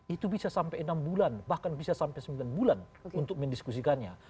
itu bisa sampai enam bulan bahkan bisa sampai sembilan bulan untuk mendiskusikannya